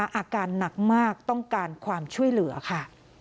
อาการหนักมากต้องการความช่วยเหลือค่ะ